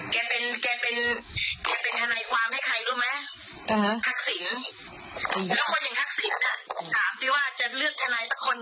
แกเป็นแกเป็นแกเป็นทันัยความให้ใครรู้ไหม